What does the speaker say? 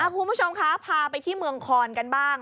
คุณผู้ชมคะพาไปที่เมืองคอนกันบ้าง